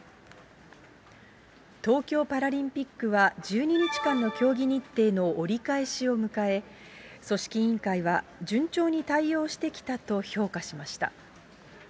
東京パラリンピックは１２日間の競技日程の折り返しを迎え、組織委員会は順調に対応してきたと評価しました。